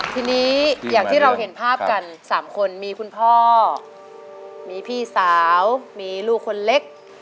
ทีนี้อย่างที่เราเห็นภาพกัน๓คนมีคุณพ่อมีพี่สาวมีลูกคนเล็ก